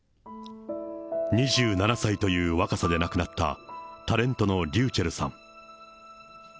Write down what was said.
２７歳という若さで亡くなったタレントのｒｙｕｃｈｅｌｌさん。